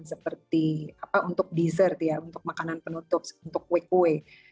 seperti apa untuk dessert ya untuk makanan penutup untuk kue kue